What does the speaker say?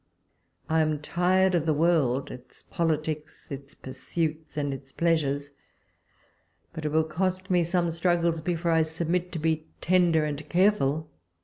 I am tired of the world, its politics, its pursuits, and its pleasures ; but it will cost me some struggles before I submit to be tender and careful.